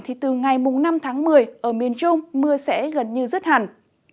thì từ ngày năm tháng một mươi ở miền trung mưa sẽ gần như rứt hẳn